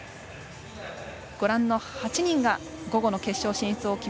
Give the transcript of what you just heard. ご覧の８人が午後の決勝進出。